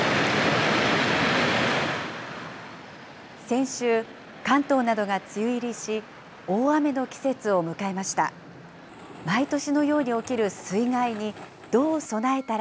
先週、関東などが梅雨入りし、大雨の季節を迎えました。